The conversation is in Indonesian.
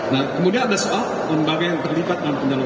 nah kemudian ada soal